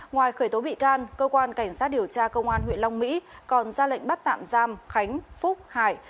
ngoài khởi tố bị can cơ quan cảnh sát điều tra công an huyện long mỹ còn ra lệnh bắt tạm giam khánh phúc hải